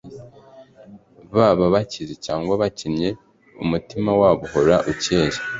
Baba bakize cyangwa bakennye, umutima wabo uhora ukeye,